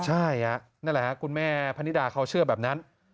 ใช่นั่นแหละครับคุณแม่พนิดาเขาเชื่อแบบนั้น